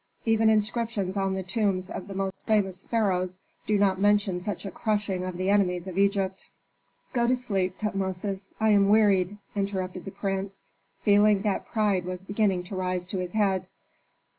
Even inscriptions on the tombs of the most famous pharaohs do not mention such a crushing of the enemies of Egypt." "Go to sleep, Tutmosis; I am wearied," interrupted the prince, feeling that pride was beginning to rise to his head.